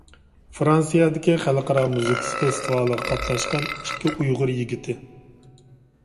فىرانسىيەدىكى خەلقئارا مۇزىكا فېستىۋالىغا قاتناشقان ئىككى ئۇيغۇر يىگىتى.